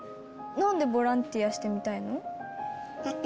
なんでボランティアしてみただって